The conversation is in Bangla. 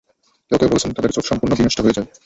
কেউ কেউ বলেছেন, তাদের চোখ সম্পূর্ণভাবে বিনষ্ট হয়ে যায়।